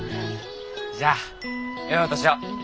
じゃよいお年を！